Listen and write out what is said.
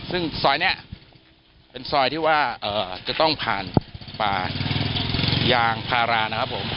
ซึ่งซอยนี้เป็นซอยที่ว่าจะต้องผ่านป่ายางพารานะครับผม